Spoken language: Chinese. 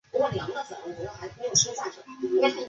因为有大幅放大所以还能用来对付轻车辆甚至直升机。